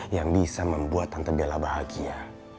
yang bisa membuat tante bela bahagia